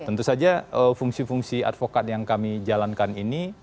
tentu saja fungsi fungsi advokat yang kami jalankan ini